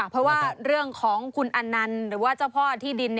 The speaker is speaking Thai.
เพราะว่าเรื่องของคุณอนันต์หรือว่าเจ้าพ่อที่ดิน